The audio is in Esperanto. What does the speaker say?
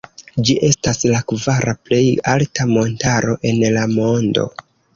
Ĝi estas la kvara plej alta montaro en la mondo.